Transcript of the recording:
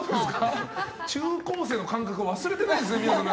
中高生の感覚を忘れてないんですね、皆さん。